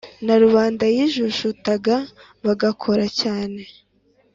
na rubanda yijujutaga bagakora cyane